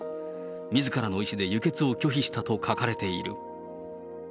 みずからの意思で輸血を拒否したと書かれている。